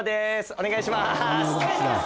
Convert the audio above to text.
お願いします。